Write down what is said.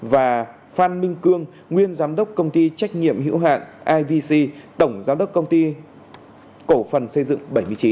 và phan minh cương nguyên giám đốc công ty trách nhiệm hữu hạn ivc tổng giám đốc công ty cổ phần xây dựng bảy mươi chín